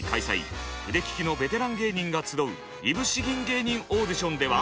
腕利きのベテラン芸人が集ういぶし銀芸人オーディションでは。